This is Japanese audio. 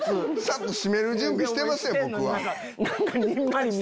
っと閉める準備してますやん僕。